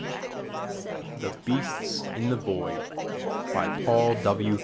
The Beasts In The Void by _Paul W.